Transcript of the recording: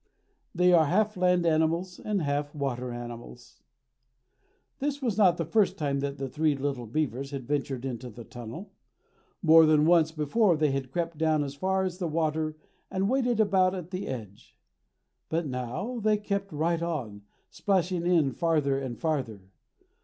They are half land animals and half water animals. This was not the first time that the three little beavers had ventured into the tunnel. More than once before they had crept down as far as the water and waded about at the edge. But now they kept right on, splashing in farther and farther.